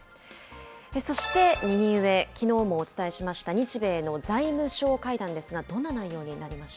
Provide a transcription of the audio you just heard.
そして右上、きのうもお伝えしました、日米の財務相会談です